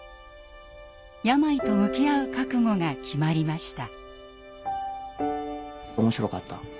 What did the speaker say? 病と向き合う覚悟が決まりました。